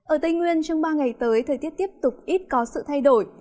ở tây nguyên trong ba ngày tới thời tiết tiếp tục ít có sự thay đổi